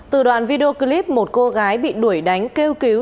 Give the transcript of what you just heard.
từ đoạn video clip một cô gái bị đuổi đánh kêu cứu